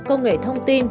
công nghệ thông tin